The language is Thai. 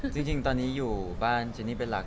จริงตอนนี้อยู่บ้านเจนี่เป็นหลัก